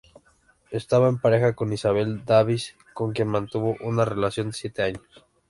Estaba en pareja con Isabel Davis, con quien mantuvo una relación de siete años.